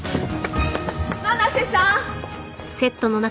七瀬さん！